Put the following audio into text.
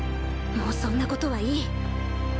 もうそんなことはいい。